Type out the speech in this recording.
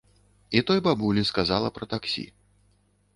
І той бабулі сказала пра таксі.